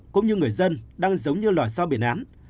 cũng như người dân đang giống như loại so biển án